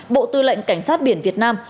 bộ tư lệnh cảnh sát biển việt nam